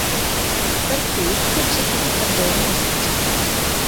بىر تېۋىپ توپ شەكىللىك بىر دورىنى ياساپ چىقىپتۇ.